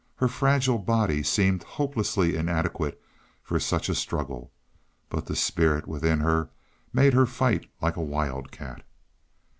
Her fragile body seemed hopelessly inadequate for such a struggle, but the spirit within her made her fight like a wild cat.